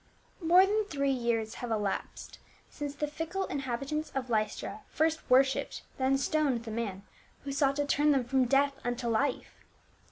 MORE than three years have elapsed since the fickle inhabitants of Lystra first worshiped, then stoned the man who sought to turn them fi om death unto life.